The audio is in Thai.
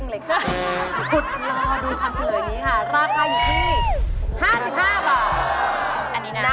จะต้องถูกกว่า๕๕บาท